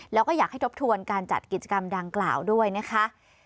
แล้วก็อยากให้ทบทวนการจัดกิจกรรมดังกล่าวด้วยนะคะ